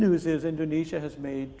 berita baik adalah indonesia telah membuat